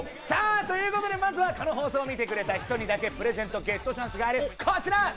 さあということでまずはこの放送を見てくれた人にだけプレゼントゲットチャンスがあるこちら！